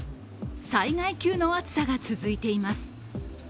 災害級の暑さが続いています。